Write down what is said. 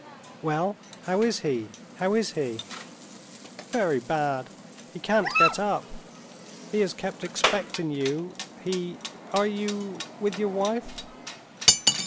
"Well, how is he? how is he?" "Very bad. He can't get up. He has kept expecting you. He.... Are you ... with your wife?"